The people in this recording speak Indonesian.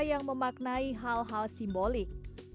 yang memaknai hal hal simbolik